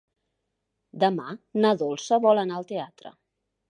Demà na Dolça vol anar al teatre.